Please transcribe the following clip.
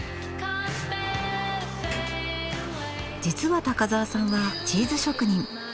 実は高沢さんはチーズ職人。